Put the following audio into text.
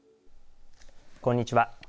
こんにちは。